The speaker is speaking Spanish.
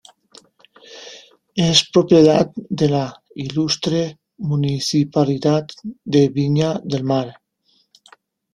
Es propiedad de la Ilustre Municipalidad de Viña del Mar.